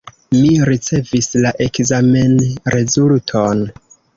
Mi ricevis la ekzamenrezulton.